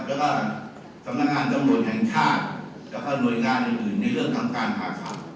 แล้วก็สำนักงานจังหลวงแห่งชาติแล้วก็หน่วยงานอื่นในเรื่องทำการหาข่าว